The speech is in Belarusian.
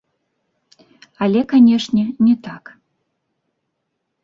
Але, канешне, не так.